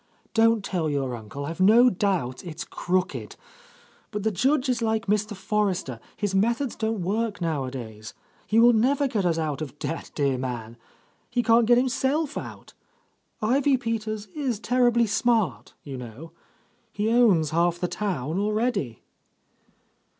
Don't tell your uncle ; I've no doubt it's crooked. But the Judge is like Mr. Forrester; his methods don't work nowadays. He will never get us out of debt, dear man 1 He can't get himself out. Ivy Peters is terribly smart, you know. He owns half the town already."